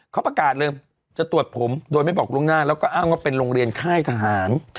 เขาประกาศเลยจะตรวจผมโดยไม่บอกล่วงหน้าแล้วก็อ้างว่าเป็นโรงเรียนค่ายทหาร